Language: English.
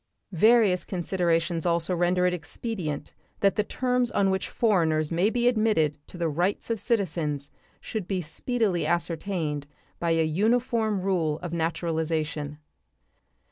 Various considerations also render it expedient that the terms on which foreigners may be admitted to the rights of citizens should be speedily ascertained by a uniform rule of naturalization.